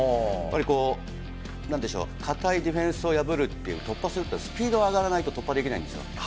やっぱりこう、なんでしょう、堅いディフェンスを破るっていう、突破するって、スピードが上がらないと突破できないんですよ。